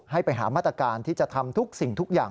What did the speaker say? ให้ไปหามาตรการที่จะทำทุกสิ่งทุกอย่าง